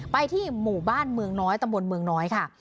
ไปที่หมู่บ้านเมืองน้อยตำบลเมืองน้อยค่ะ